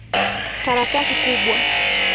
Karatasi kubwa.